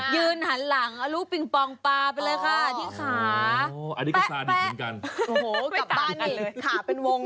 ยืนหันหลังเอาลูกปิงปองปลาไปเลยค่ะที่ขา